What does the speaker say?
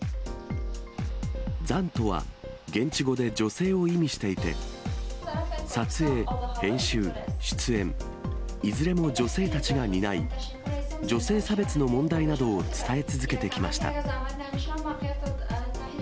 ザンとは、現地語で女性を意味していて、撮影、編集、出演、いずれも女性たちが担い、女性差別の問題などを伝え続けてきました。